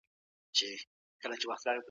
ډیپلوماسي باید د سیمي د امنیت لپاره وي.